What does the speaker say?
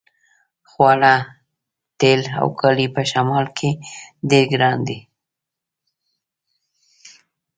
خواړه تیل او کالي په شمال کې ډیر ګران دي